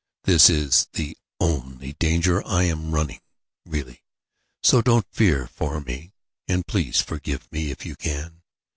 This is the only danger I am running, really; so don't fear for me, and please forgive me if you can.